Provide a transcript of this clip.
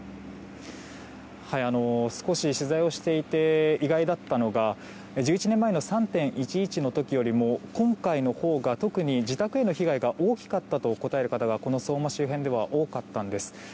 少し取材をしていて意外だったのが１１年前の３・１１の時よりも今回のほうが特に、自宅への被害が大きかったと答える人がこの相馬市周辺では多かったんです。